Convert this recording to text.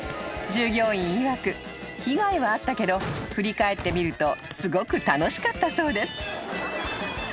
［従業員いわく被害はあったけど振り返ってみるとすごく楽しかったそうです］